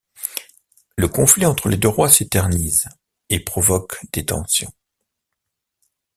Le conflit entre les deux rois s'éternise et provoque des tensions.